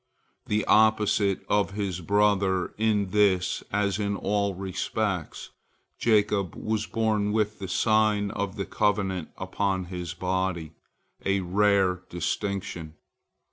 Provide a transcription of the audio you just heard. The opposite of his brother in this as in all respects, Jacob was born with the sign of the covenant upon his body, a rare distinction.